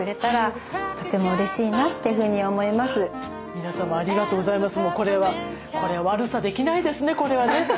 皆様ありがとうございます。